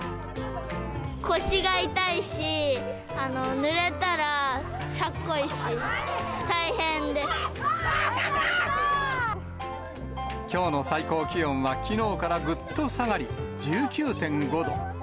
腰が痛いし、きょうの最高気温はきのうからぐっと下がり、１９．５度。